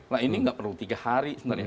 nah ini nggak perlu tiga hari sebenarnya